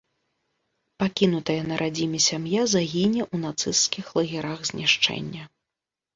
Пакінутая на радзіме сям'я загіне ў нацысцкіх лагерах знішчэння.